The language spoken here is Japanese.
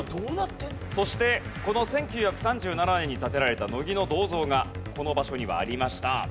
そしてこの１９３７年に建てられた乃木の銅像がこの場所にはありました。